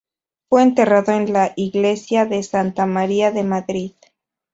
Fue enterrado en la iglesia de santa María de Madrid.